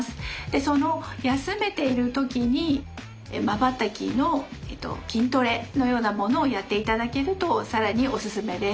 その休めている時にまばたきの筋トレのようなものをやっていただけると更にオススメです。